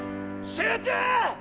集中！